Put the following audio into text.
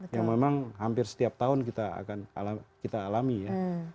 yang memang hampir setiap tahun kita akan kita alami ya